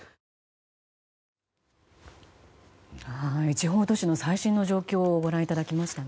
地方都市の最新の状況をご覧いただきましたね。